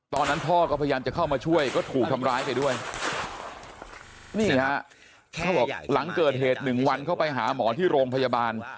ตอนนั้นพ่อก็พยายามจะเข้ามาช่วยก็ถูกทำร้ายไปด้วยนี่ฮะเขาบอกหลังเกิดเหตุหนึ่งวันเข้าไปหาหมอที่โรงพยาบาล